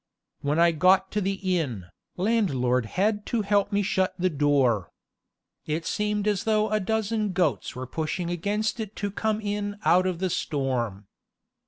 When I got to the inn, landlord had to help me shut the door. It seemed as though a dozen goats were pushing against it to come in out of the storm.